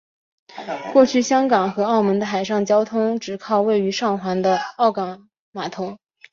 过去香港和澳门的海上交通就只靠位于上环的港澳码头。